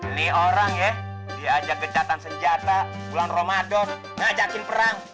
ini orang ya diajak gencatan senjata bulan ramadan ngajakin perang